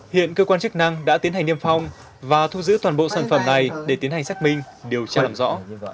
hiện cơ quan chức năng đã tiến hành niêm phong và thu giữ toàn bộ sản phẩm này để tiến hành xác minh điều tra làm rõ